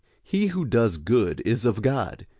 He who does good is of God.